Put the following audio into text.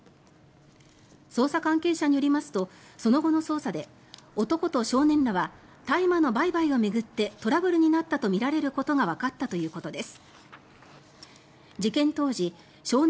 捜査関係者によりますとその後の捜査で男と少年らは大麻の売買を巡ってトラブルになったとみられることがわかったということです。